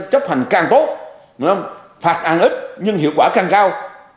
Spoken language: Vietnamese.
chúng ta không phải chấp hành càng tốt phạt ăn ít nhưng hiệu quả càng cao